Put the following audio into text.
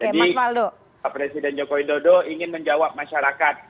jadi pak presiden jokowi dodo ingin menjawab masyarakat